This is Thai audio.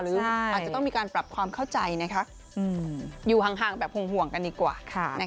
อาจจะต้องมีการปรับความเข้าใจอยู่ห่างแบบห่วงกันดีกว่า